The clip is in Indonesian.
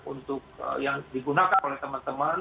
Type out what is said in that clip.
untuk yang digunakan oleh teman teman